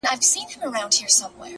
ما به د سترگو کټوري کي نه ساتل گلونه _